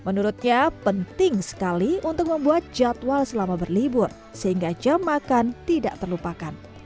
menurutnya penting sekali untuk membuat jadwal selama berlibur sehingga jam makan tidak terlupakan